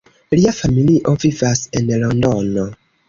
Lia familio vivas en Londono.